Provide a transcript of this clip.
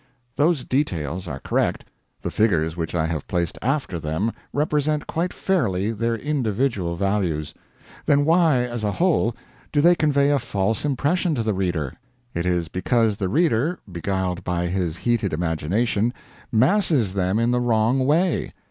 Those details are correct; the figures which I have placed after them represent quite fairly their individual, values. Then why, as a whole, do they convey a false impression to the reader? It is because the reader beguiled by his heated imagination masses them in the wrong way.